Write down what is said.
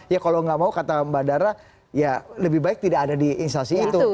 ya kalau nggak mau kata mbak dara ya lebih baik tidak ada di instansi itu